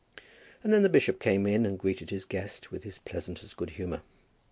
And then the bishop came in and greeted his guest with his pleasantest good humour.